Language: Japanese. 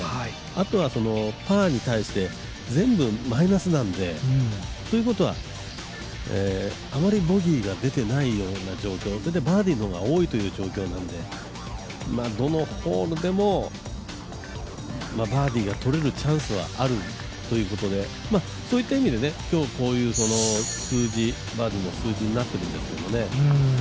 あとはパーに対して、全部マイナスなんでということは、あまりボギーが出ていないような状況、バーディーの方が多いという状況なのでどのホールでも、バーディーがとれるチャンスはあるということでそういった意味で、今日こういう数字、バーディーの数字になっているんですけどね。